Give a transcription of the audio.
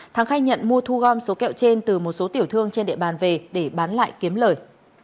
thắng khai nhận mua thu gom số kẹo trên từ một số tiểu thương trên địa bàn về để bán lại kiếm lời